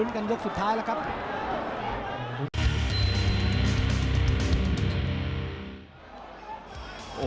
โดนท่องมีอาการ